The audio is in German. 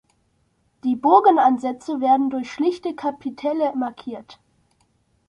Die Bogenansätze werden durch schlichte Kapitelle markiert.